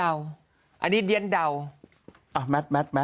แซนก้อนรับกัน